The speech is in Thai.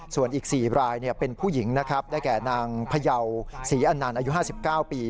ส่วนอีก๔รายเป็นผู้หญิงนะครับได้แก่นางพยาวศรีอันนันต์อายุ๕๙ปี